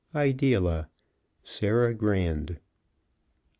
_Ideala Sarah Grand.